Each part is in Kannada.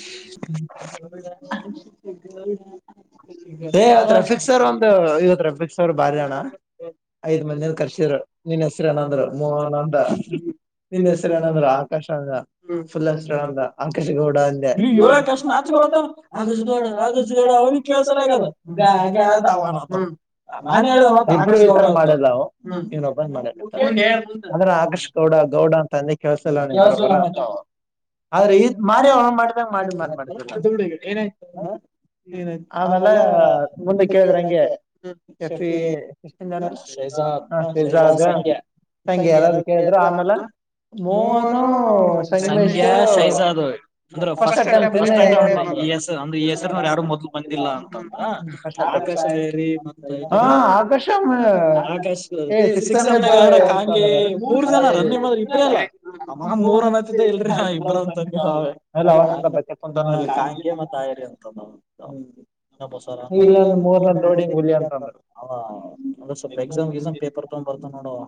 ಹ್ಮ [unintelligible] ಗೌಡ ಇವತ್ ರಫಿಕ್ ಸ ಅವರ್ ಒಂದು ಇವತ್ ರಫಿಕ್ ಸ ಅವರು ಬಾರಿ ಅಣ ಐದ ಮಂದಿಂದ ಕರ್ಸಿದ್ರ ನೀನ್ ಹೆಸರುನಂದ್ರು ಮೋಹನ್ ನಂದ ನಿನ್ ಹೆಸರು ಏನಂದ್ರರು ಆಕಾಶ ಅಂದ ಫುಲ್ ಹೆಸರುಂದ ಆಕಾಶ ಗೌಡ ಅಂದೆ ಅವ [unintelligible] ಹ್ಮ್ ನಾನನ್ ಹೇಳಿದೆ ಮಂತ ಆಕಾಶಗೌಡ [unintelligible] ಆದ್ರೆ [unintelligible] ದುಡು ಏನಾಯ್ತು ಹಏನ ಆಮೇಲೆ ಮುಂದೆ ಕೇಳಿದ್ರೆ ಹಂಗೆ ಶಫಿ ಸಂಖ್ಯ ಸಂಖ್ಯ ಎಲ್ಲ್ರೆ ಆಮೇಲೆ ಮೋಹನ್ ಸಂಧ್ಯಾ ಸೈಜಾದ್ ಅಂದ್ರ ಸ್ಟ್ ಫಸ್ಟ್ ಐ ಈ ಹೆಸ ಅಂದ್ರೆ ಹೆಸರಿನವರು ಯಾರು ಮೊದ್ಲು ಬಂದಿಲ್ಲ ಅಂತಂದ್ರ ಮ ಆಕಾಶ್ ಸಿಕ್ಸ್ಮನಾಗ ಯಾರಂಗೆ ಮೂರ್ ಜನ ರ ನಿದ್ರೆ ಇಬ್ರ ಅಲ್ಲ ಮಗ ಮೂರ್ ಅನತ್ತಿದ್ದ ಇಲ್ರಿ ಇಬ್ ಅಂತ ನೀ ಅವೇ ಅಲ್ಲ ಹ ಕಾಗೆ ಮ ತಾಯರಿ ಅಂತ ನ ಸ್ಲ್ಪ ಎಸ್ ಎ ಪೇಪರ್ ತ ಬರ್ತು ನೋಡು ಅವ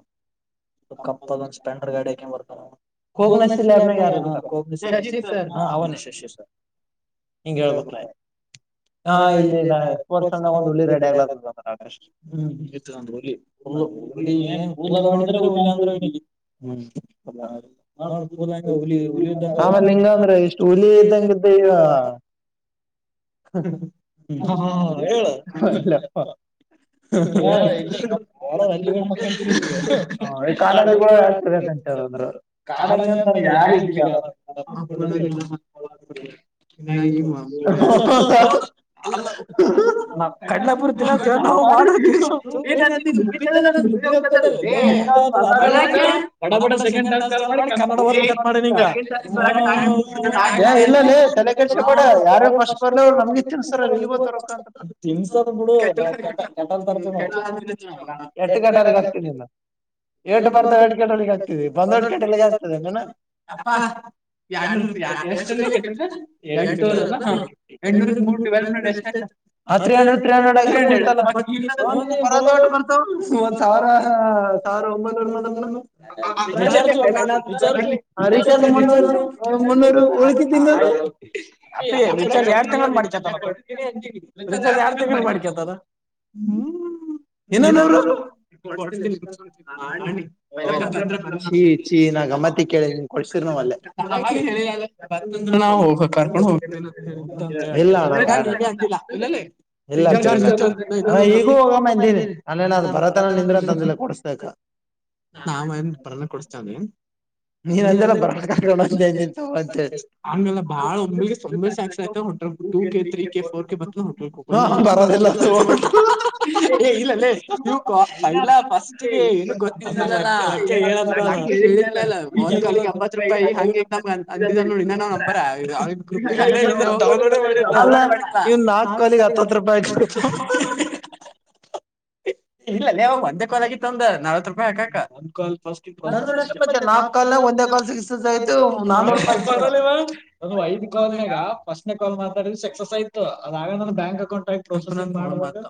ಕಪ್ಪಪ ಸ್ಪೆಂಡರ್ ಗಾಡಿಕ ಬರ್ ಕಕನ ಲಬ ಹಾ ಅವನಶಶ ಹಿಂಗ ಹೇಳ್ಬಕ್ಲ ಹಾ ಇಲ್ಲ ಇಲ್ಲ ಸ್ಪೋರ್ಟ್ಸಗ ಒಂದ್ ಹುಡ್ಗಿ ರೆಡಿ ಆಗ್ಲ ರಾಕೇಶ್ ಏನ್ ಕೂಲ ಮಾಡಿದ್ರ ಹ್ಮ್ ಆಮೇಲ ನಿಂಗ ಅಂದ್ರೆ ಇಷ್ಟು ಹುಲಿ ಇದ್ದಂಗ್ದ ಈ ಹ ಹೇಳ [unintelligible] ಕಾಡಲ್ಲಿ ಹ ಕಾಡ ಅ ಯ [unintelligible] ಕಡ್ಲೆಪುರಿ ತಿನ್ನೋಕೆ ನಾವು [unintelligible] ಮುಗ್ಗ್ತದೆ ನ ಮುಗ್ಗರಿ ಹೋಗತದೆಲ್ಲ [unintelligible] ಮಾಡಿ ಕನ್ನಡ ಮಾಡ ಯಾರ ಫಸ್ಟ್ ಗೊತ್ತ ನಮ ತಿನ್ಸಾರಲ್ಲಿ ತಿನ್ಸದ ಬಿಡು ತ ಎಟ್ಟು ಘಟ್ಟಾಲ ಕ ಎಟು ಬರ್ತ ಆಗ್ತ ಬಂದಟ್ಟಗ್ ಯಾಡ್ನೂರುಪ್ಪ ಯಾ--ಎಷ್ಟಲ್ಲೇ ಎಂಟ್ನೂರು ಎಂಟ್ನೂರುಕ್ ಮೂರ್ ಡಿವೈ ದ್ರ್ ಎಷ್ಟಾಯ್ತು ಆ ತ್ರೀ ಹಂಡ್ರೆಡ್ ತ್ರೀ ಹಂಡ್ರೆಡ್ ಅದ್ರ್ ತ್ರೀ ಹಂಡ್ರೆಡ್ ಓ ನೀ ಬರದೋ ವಿಚಾರ್ ವಿಚಾರ್ಸ್ ವಿಚಾರ್ಸು ಅಪ್ಪಿ ರಿಚಾರ್ಜ್ ಎರ್ಡ್ ತಿಂಗ್ಳದ್ಮಾಡ್ಕತನ ರಿಚಾರ್ಜ್ ಯಾರ್ಡ್ ತಿಂಗ್ಳದ್ ಮಾಡ್ಕತದ ಹ್ಮ್ ಇನ್ನ ನೂರು--ಚೀ ಚೀ ನ ನಾ ಗಮ್ಮತ್ತಿಗ್ ಕೇಳಿ ನೀನ್ ಕೊಡ್ಸಿರ್ ನಾ ವಲ್ಲೇ ಆವಾಗ ಹೇಳಿದಾದ್ರೆ ಬತ್ತಂದ್ರ ನಾವು ಹ ಕರ್ಕೊಂಡು ಹೋಗ್ತೇನಂತ್ ಹೇಳೇ ಹೋಗ್ತಿವ್ ಅಂತ್ ಹೇಳ್ ಟೆನ್ಶನ್ ತೊಗೊ ಆಗ್ತಿಲ್ಲ ಇಲ್ಲಲೇ ರಿಚಾರ್ಜ್ ರಿಚಾರ್ಜ್ ನ ಇನ್ನಾನನ ದೀರಿ ಅಲ್ಲೇನಾದ್ರೂ ಭರತಣ್ಣ ನಿಂದ್ರಂತ್ ನಾವನ್ ಬರನ್ನ ಕೊಡ್ಸ್ತೀತ್ಯವ್ ನೀ ನೀನಂದೆಲ್ಲ ಬರ್ಹ--ಕ್ಕ ಅಂತೇಳಿ ಹಂಗಲ್ಲ ಬಾಳ ಒಮ್ಮೆಲ್ಗೆ ಸೋಮ್ಮೆ ಸಾಕ್ಷ ಆಯ್ತ ಹೊಂಟ್ರ two K three K four K ಬತ್ಲೆ ಹಂಗ್ ಬಂ ಹಾ ಹಂಗ್ ಬರೋದಿಲ್ಲ ಹ ಹ್ಹ ಹ್ಹ ಹ್ಹ ಏ ಇಲ್ಲಲೇ ಯು ಕಾ ಫಸ್ಟ್ಗೆ ಏನ ಗೊತ್ತ ಅಕ್ಕ ಹೇಳಿದ್ಮೇಲೆ ಒಂದ್ ಕಾಲಿಗ್ ಎಂಬತೃಪ್ ಪೈ ಹಂಗಿತ್ ನಮ್ಗ ಅಂದಿದ ನೋಡಿ ಇನ್ನೇನೋ ನಂಬರ್ ಐತ್ ನಾ ಡೌನ್ಲೋಡೇ ಮಾಡಿರ್ನಿಲ್ಲ ಇ ನಾಕ್ ಕೋಲಿಗ್ ಹಿ--ಹ್ಹಿ ಇಲ್ಲಾಲೇ ಒಂದೇ ಕಾಲ್ ಆಗಿತ್ತು ಔಂದ ನಲ್ವತ್ ರೂಪಾಯಿ ಹಾಕಾಕ ಒಂದ್ ಕಾಲ್ ಫಸ್ಟ್ ನಂದು ನಷ್ಟ್ ಇಪ್ಪತ್ತೆ ನಾಕ್ಕಲನ್ಯಾಗ್ ಮುಗ್ದ್ ದೋಯ್ತು ನಾ--ಹಿ ಹ್ಹಿ ಇವ ಅದು ಐದ್ ಕಾಲ್ನಾಗ ಫಸ್ಟ್ನೇ ಕಾಲ್ ಮಾತಾಡಿದೆ ಸಕ್ಸಸ್ ಆಯ್ತ್ ಅದಾಗದಾನ ಬ್ಯಾಂಕ್ ಅಕೌಂಟ್ ಆಕ್ ಪ್ರೋಸೆಸ್ ಮಾಡ್ಬಕು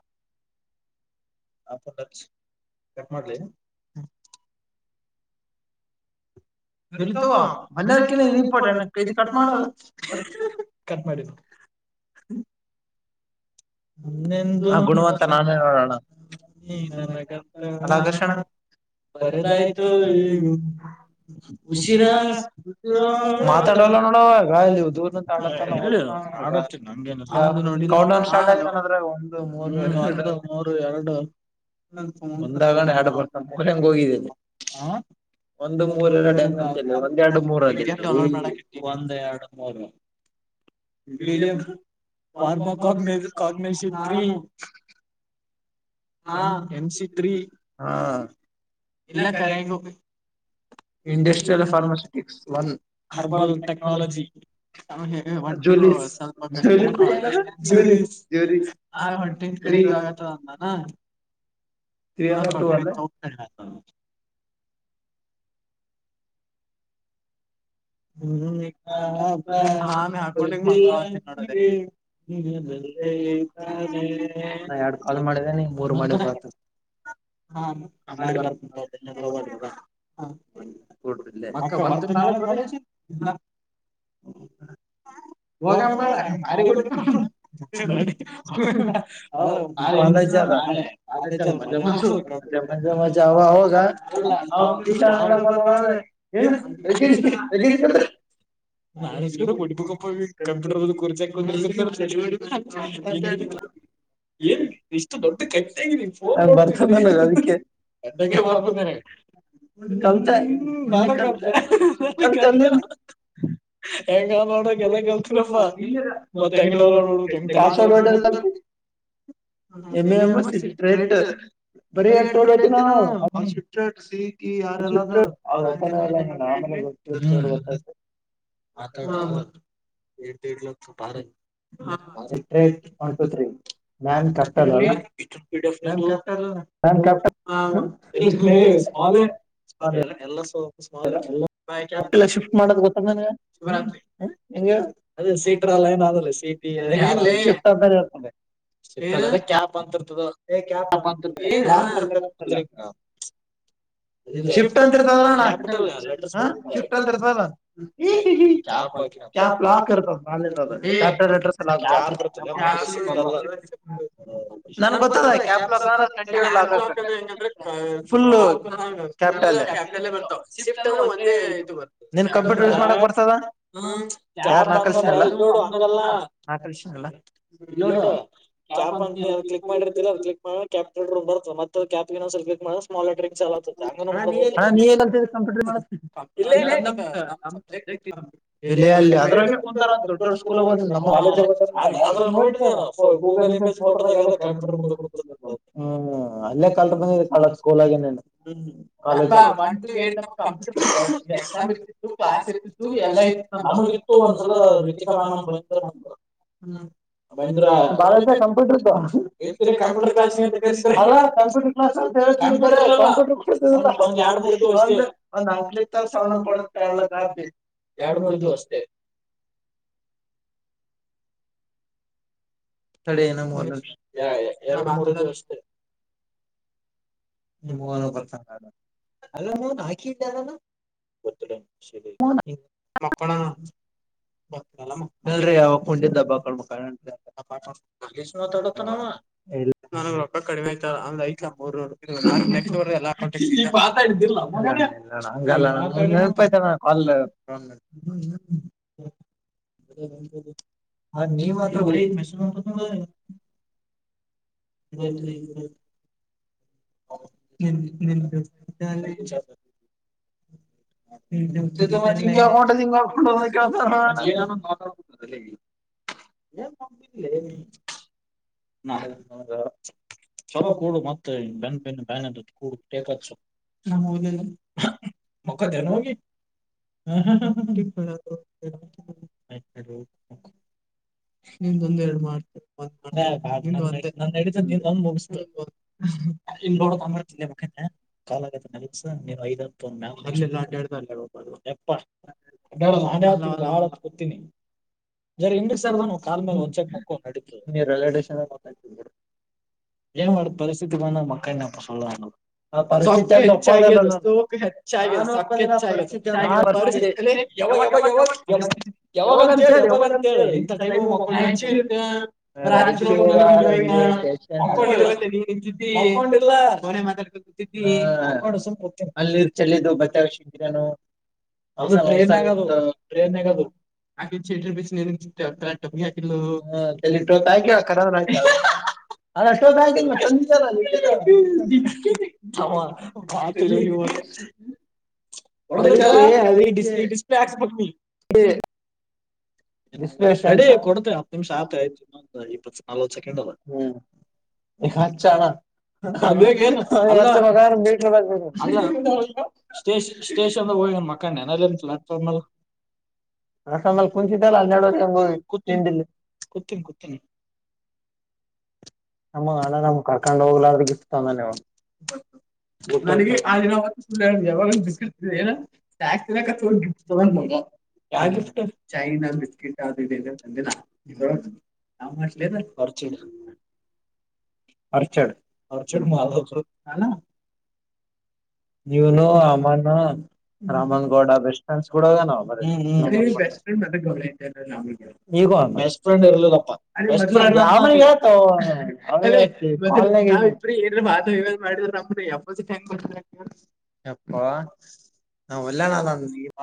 ಆ ಫಡಚ್ ಕಟ್ ಮಾಡ್ಲಿ ಇರ್ಲಿ ತಗೊ ಅಲ್ಲ ಇಕ್ಕಿನಿ ದಿಪ್ಪಾಟೆನ ಕಟ್ ಮಾಡು ಅದ್ [inaudible] ಆ ಗುಣವಂತ ನಾನೆ ನೋಡಣ ಅಲೋ ಆದರ್ಷಣ ಬರದಾಯ್ತು ಉಷಿರ ಊರಾಣೆ ನಂಬು--ಮಾತಾಡಲ್ಲ ನೋಡವಾ ಇಲ್ಲಿ ಉದು ಉದ್ ಅಂತ್ ಆಡತನ ತಪಾ ಕೌಂಡೌನ್ ಸ್ಟಾರ್ಟತ್ ನಾದ್ರೆ ಒಂದು ಮೂರು ಎರಡ್ ಒಂದಾಗಣೆ ಎರ್ಡ್ ಬರ್ತಾವ್ ಮೂರ್ ಹೆಂಗ ಹೋಗಿದ್ದಿ ಪಿ ಡೌನ್ಲೋಡ್ ಮಾಡಾಕಿಟ್ಟೀನಿ ಒಂದ್ ಎರಡು ಮೂರು ಪಿ ಡಿ ಎಫ್ ಫಾರ್ಮ ಕೊಗ್ ಕೊಗ್ ಮೆಷಿಪ್ ಗ್ರೀ ಹಾ ಎಂ ಸಿ ತ್ರೀ ಇಲ್ಲ ಕರೆಗು ಇಂಡಿಯ ಹರ್ಬಲ್ ಟೆಕ್ನಾಲಜಿ [unintelligible] [unintelligible] [unintelligible] ಹ್ಮ್ ಹ ಬಾ ಗೊತ್ತಿಲ್ಲ ನನಗೆ ಹಾ ಮೇ ಹಾಕ್ಕೊಂಡಿ ಈಗ್ ಮಕ್ಕೋಳ--ತಿನ್ ನೋಡಲೇ [unintelligible] ಹಾ ಮಾಡಿ ಬರ್ತಿನ್ ತೊ ಡ್ರಿ ಬ ಹ ಅಕ್ಕ ಬರ್ತಿ ನಾಳೆ ಕೊಲೆಜ್ಗೆ ಇಲ್ಲ ಹೋಗಂಬಳ್ಳ ಚೆ--ನಡಿ--ಅವ ನಾಳಿ ಅ ಆಬೆ ಚಲ್ ಮಜಾ ಬರ್ತದ್--ಅಲ್ಲ ಅಲ್ಲ ಲ್ಲ ಅಂದ್ರೆ ಏನ ಯಾಕೆ ಯಾಕೆ ಕರ್ದ ಬಾಳ ಸಿದ ಬಟ್ ಬೇಕಪ್ಪ ಕಂಪ್ಯೂಟರ್ದು ಕುರ್ಚಿಯಾಗ್ ಕುಂದುರ್ಸಿ ಏನ್ ಇಷ್ಟು ದೊಡ್ದ್ ಕೆತ್ತ್ಯಾಗಿ ಫೋನ್ ನೋಡ್ತಿದ್ದಿ ಎತ್ತಕ್ಕೆ ಬರ್ಬಾರ್ದ್ ನಿನಗ ಕಲ್ತೆ ಬಾಳ ಕಲ್ತೆ ಹ ಹ್ಹ ಅಂತಂದೇನ ಹೆಂಗನ್ ನೋಡ ಎಲ್ಲ ಲ್ತರಪ್ಪಾ ಮತ್ತ ಹೆಂಗ್ ಡೌನ್ಲೋಡ್ ನೋಡಕ್ ಹೆಂಗ ಹ ಹ ಎಮ್ಮ ಸಿಟ್ರಟರ್ ಈ ಯಾರೆಲ್ಲ ಸ ಮಕ ದ ದಡ್ ಲ ತ ಪಾರ ಸ್ರಟ್ ಒ ಸಾಲೆ ಸ ಎಲ್ಲ ಸ ಸ್ಮಾಲ ್ಯಾ ಶ್ಟ್ ಮಾಡಾಂಗ ಅದ ಸೀಟ್ರ ಅಲ್ಲ ಏಲ್ಲ ಕ ಪಂಂತ ಹ ಶಿಫ್ಟ್ ಅಂತತದ್ರಣ ಶಿಫ್ಟ ಅಂತ ಇರ್ತಾಕ್ ಇ ನ ಗೊತ್ತ ಾಕ್ ಅ್ರ ಹೆಂಗಂದ್ರೆಫ ಕ್ಯಾಪಲ್ಲೇ ಬರ್ತಾವ ಶಿಫ್ಟ್ ಅಂದ ಒಂದು ಹ್ಮ ಕ್ಯಾಪ್ ಅಂತಂದ್ರ ಇಲ್ಲೋಡು ಹಗೆಲ್ಲ ್ಮ ನೋಡ ಕ್ಯಾಪ್ ಅಂತ ನೀ ಅ ಕ್ಲಿಕ್ ಮಾಡಿರ್ತಿಲ್ಲ ಅದ ಕ್ಲಿಕ್ ಮಾಡ ಕ್ಯಾ್ ಬರ್ ಮತ್ತ ಕ್ಯಾ್ಮಲ್್ರ ಚ ಹಣ್ಣ ನೀೇಗಲ್ತ ಕಂಪ್ಯೂಟರ್ ಮಾಡ ದ ದೊಡ್ಡ ದೊಡ್ ಸ್ಕೂಲ್ ನೋ ಗೂಗಲ್ ಫೋಟೋದಾಗ ಕಂಪ್ಯೂಟರ್ ಮ ಕೊಡ್ತ ಅಲ್ಲೇ ಕಲ್ ಬಂದಿದ ಕ ಸ್ಕೂಲ್ ಆಗ ಎ ಇತ್ತು ಎಲ್ಲ ಇ ನಮಗ ಇತ್ತು ಒಂದಲತಿಕಾಾಮ ಹ ಬ ಹ್ಮ ಬಂದ್ರ ಬಳ ಕಂಪ್ಯೂಟರ್ ಇ ಇೀ ಕಂಪ್ಯೂಟರ್ ಕ್ಲಂತ ಕಂಪೂರ್ ಕ್ಲಾ ಕಂ್ಯ ಒಂದ್ ನಾಂಕ್ಲಿಕ್ ತರ ಸಾವ್ಣ ಕೊಡ ಕಳ ಆಗ್ಬೇಕ ಎರಡ್ ಮೂರ್್ದ ವರ್ೇ ಹ ರ ಬರ ಅಲ್ಲ ಹಾಕಿ ಮಕ್ಕಳ ಅ ನತ್ತೊಡತ ನಾವ ಅ ಈ ಪಾತ ಇಡ್ಣ ಹಲ್ಲ ನೆನಪಾಯ್ತಣ [unintelligible] ಹ್ಮ ಹ ನೀ ಮಾತ್ರ ರಾತ್ ರತ್ ನಿ ನಿು ತಿಂಗಟ ತಿಂಗ ಏನ್ ನೀ ಚಲೋ ಕೂಡು ಮತ್ತೆ ಬೆನ್ ಬೆ ಬ್ಯಾನ್ದ ಕೂಡು ೇಕ ಹಾ ಹೌದ ಮಕ್ಕದೇನ ಹೋಗಿ ಹ ನಿೊಂದ ಎರಡು ಮಾಡ್ ನಮ್ಗ ಕ ಮ ಕಾಲ ಆಗೆ ನಸ ನೀವು ಐದಪ್ಪ ಎ ಆಟ ಎ ನಾನ ನಳ ಕೊತೀಿನಿ ಜರ ಇಿಂದ ಸರ್ ಕಲ್ ಮೇಲೆ ಒಂದಚೆಕ್ ಮುಕೊಂಡು ಅಡ ಏನ್ ಮಾಡ ಪರಿಸ್ಥಿತಿ ಬ ಮಕ್ಕೈ ಹ ಹೆಚ್ಚಾಗಿ ಹೆಚ್ಚ ಸಂತ ಯಾವಾಗ ಯಾವಾಗ ಯಾವಾಗ ಯಾವಾಗ ಅಂತ ಹೇಳೇಳಿ ಯಾವಾಗ ಅಂತ ಹೇಳಿ ಎಂತ ಆಯ ರತ್ರಿನಾ ಮ ಮಾತಾಡ್ಕೊಂಡ ಗಿ ಚಲದು [unintelligible] ಅದು ಟ್ರೈನ್ ಆಗದು ಟ್ರೈನ್ ಆಗದು ಆ [unintelligible] ತ ಟಬ್ಗೆ ಹಾಕ ಕೇಳತರಿ [unintelligible] [unintelligible] ಹೊಡ್ದಿತಲ್ಲ ಈ ಡಿಸಪ್ಲ ಡಿಸಪ್ಲೇ ಆಕ್ಸಬಿಡ್ತೀನೀ. [unintelligible] [unintelligible] ಎ ಕಾಂಚಾಣ. [unintelligible] [unintelligible] ಅಲ್ಲಿ ಕುಂತಿದ್ದಲ್ಲ ಹನ್ನೆರಡುವರೆಗೆ ಒಂದು ತಿಂಡಿಲ್ಲಿ [unintelligible] ನಮ್ಮ ಅಣ ನಮ್ ಕರ್ಕೊಂಡ್ ಹೋಗಿಲ್ಲಾಂದರೆ [unintelligible] ನ ಆ ದಿನ ಯಾವಾಗ ಬಿಸ್ ಏ ತಗೊಂಡ [unintelligible] [unintelligible] [unintelligible] ಅರ್ಚಡ್. ನೀವುನು ಅಮಾನು. ರಾಮನ್ಗೌಡ ಬೆಸ್ಟ್ ಪ್ರೆಂಡ್ಡ್ ಕೂಡ [unintelligible] [unintelligible] [unintelligible] ನಾ ಒಲ್ಲೆ ನ.